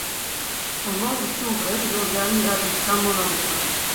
El nou d'octubre en Julià anirà a visitar mon oncle.